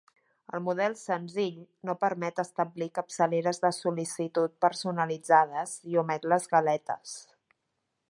El model "senzill" no permet establir capçaleres de sol·licitud personalitzades i omet les galetes.